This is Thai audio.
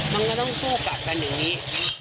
มันก็ต้องสู้กลับกันอย่างนี้